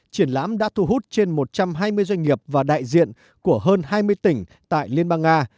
triển lãm đã thu hút trên một trăm hai mươi doanh nghiệp và đại diện của hơn hai mươi tỉnh tại liên bang nga